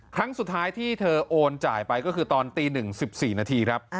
ครั้งสุดท้ายที่เธอโอนจ่ายไปคือตอนตี๑สิบสี่นาที